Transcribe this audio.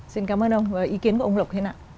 xin cám ơn ông và ý kiến của ông lục thế nào